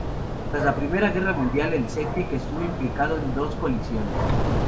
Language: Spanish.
Tras la Primera Guerra Mundial, el "Celtic" estuvo implicado en dos colisiones.